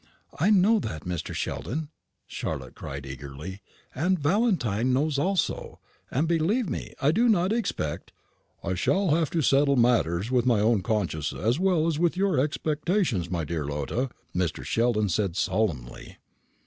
"I know that, Mr. Sheldon," cried Charlotte, eagerly, "and Valentine knows also; and, believe me, I do not expect " "I have to settle matters with my own conscience as well as with your expectations, my dear Lotta," Mr. Sheldon said, solemnly.